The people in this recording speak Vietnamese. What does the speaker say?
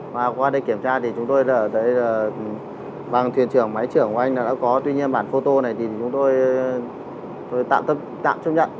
và qua đây kiểm tra thì chúng tôi đã thấy bằng thuyền trưởng máy trưởng của anh đã có tuy nhiên bản photo này thì chúng tôi tạm chấp nhận